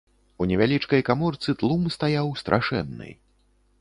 У невялічкай каморцы тлум стаяў страшэнны.